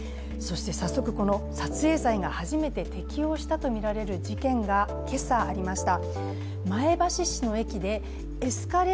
早速、撮影罪が初めて適用されたとみられる事件が今朝ありました。